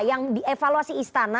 yang dievaluasi istana